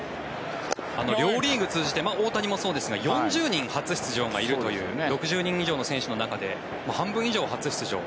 両リーグ通じて大谷もそうですが４０人初出場がいるという６０人以上の選手の中で半分以上が初出場。